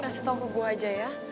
kasih tau ke gue aja ya